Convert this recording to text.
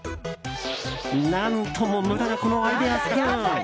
何とも無駄なこのアイデアスプーン